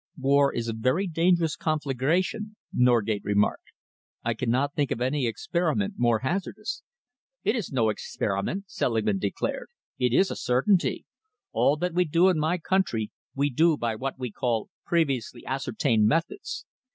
"War is a very dangerous conflagration," Norgate remarked. "I cannot think of any experiment more hazardous." "It is no experiment," Selingman declared. "It is a certainty. All that we do in my country, we do by what we call previously ascertained methods.